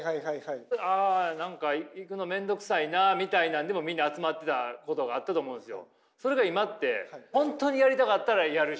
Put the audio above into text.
あ何か行くの面倒くさいなみたいなんでもみんな集まってたことがあったと思うんすよ。